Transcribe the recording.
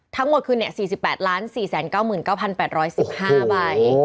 ทั้งหมดคือ๔๘๔๙๙๘๑๕ใบ